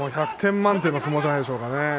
１００点満点の相撲じゃないでしょうかね。